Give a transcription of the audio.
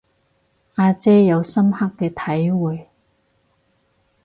阿姐有深刻嘅體會